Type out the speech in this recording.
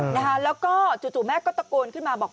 แล้วก็จู่แม่ก็ตะโกนขึ้นมาบอก